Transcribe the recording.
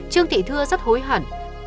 trương thị thưa rất hối hẳn